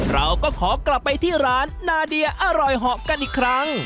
เราก็ขอกลับไปที่ร้านนาเดียอร่อยเหาะกันอีกครั้ง